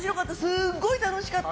すごい楽しかった。